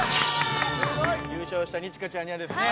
優勝した二千翔ちゃんにはですね